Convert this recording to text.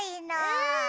うん！